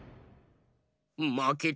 まけた。